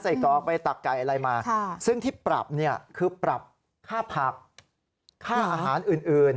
กอกไปตักไก่อะไรมาซึ่งที่ปรับเนี่ยคือปรับค่าผักค่าอาหารอื่น